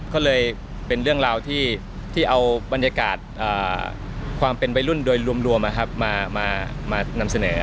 ก็เลยเป็นเรื่องราวที่เอาบรรยากาศความเป็นวัยรุ่นโดยรวมมานำเสนอ